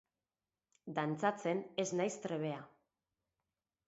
Dantzatzen ez naiz trebea.